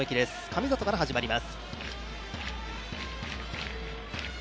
神里から始まります。